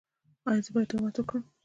ایا زه باید تهمت وکړم؟